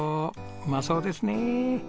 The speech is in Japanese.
うまそうですね。